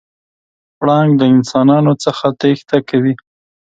پړانګ د انسانانو څخه تېښته کوي.